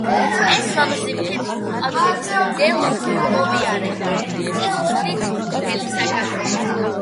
ეს ლამაზი მთები ყვავილების მდელო მოვიარე სიმღრით მთელი საქართველო.